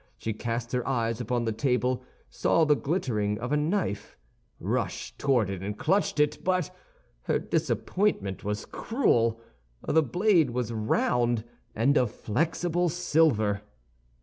She cast her eyes upon the table, saw the glittering of a knife, rushed toward it and clutched it; but her disappointment was cruel. The blade was round, and of flexible silver.